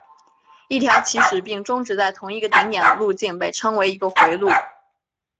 一条起始并终止在同一个顶点的路径被称为一个回路。